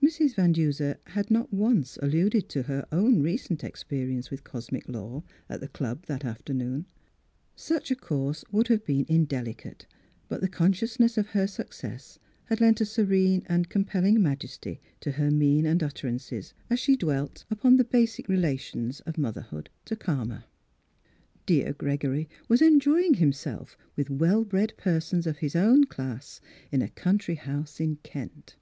Mrs. Van Duser had not once alluded to her own recent experience with Cosmic Law, at the Club that afternoon. Such a course would have been indelicate ; but the consciousness of her success had lent a serene and compelling majesty to her mien and utterances as she dwelt upon the basic relations of motherhood to Karma. Dear Gregory was enjoying himself with well bred persons of his own class in a country house in Kent.